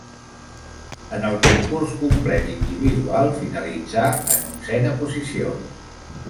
En el concurs complet individual finalitzà en onzena posició.